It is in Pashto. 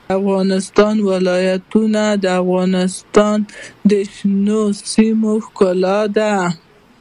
د افغانستان ولايتونه د افغانستان د شنو سیمو ښکلا ده.